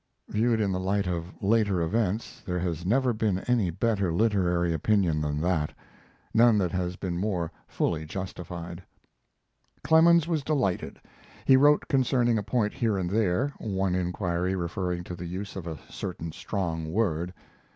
Viewed in the light of later events, there has never been any better literary opinion than that none that has been more fully justified. Clemens was delighted. He wrote concerning a point here and there, one inquiry referring to the use of a certain strong word.